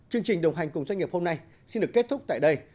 chương trình đồng hành cùng doanh nghiệp hôm nay xin được kết thúc tại đây